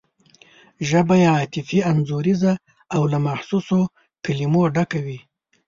ژبه یې عاطفي انځوریزه او له محسوسو کلمو ډکه وي.